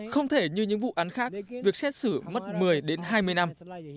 không thể như những vụ án khác việc xét xử mất một mươi đến hai mươi năm